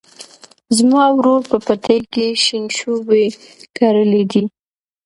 زما ورور په پټي کې شینشوبي کرلي دي.